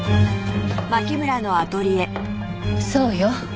そうよ